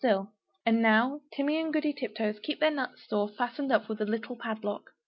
And now Timmy and Goody Tiptoes keep their nut store fastened up with a little padlock.